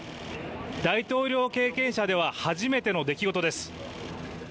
大統領経験者では初めての出来事です。